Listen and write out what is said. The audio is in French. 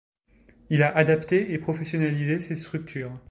Il a adapté et professionnalisé ses structures.